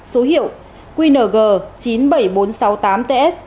số hiệu qng chín mươi bảy nghìn bốn trăm sáu mươi tám ts